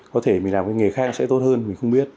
có thể mình làm cái nghề khác nó sẽ tốt hơn mình không biết